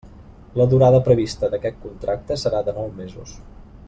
La durada prevista d'aquest contracte serà de nou mesos.